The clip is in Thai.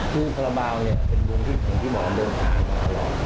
คุณพระบาลเนี่ยเป็นวงที่ผมที่บอกว่าเริ่มทางกันตลอด